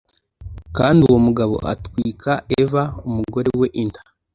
kandi uwo mugabo atwika eva umugore we inda